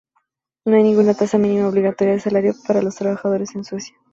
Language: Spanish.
No hay ninguna tasa mínima obligatoria de salario para los trabajadores en Suecia.